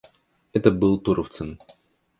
Это был Туровцын.